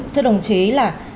thưa đồng chí là